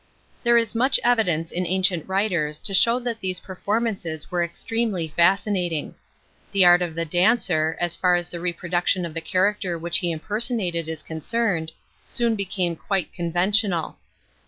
There is much evidence in ancient writers to show that these performances were extremely fascinating.^" The art of the dancer, as far as the reproduction of the character which he impersonated is concerned, soon became quite conventional.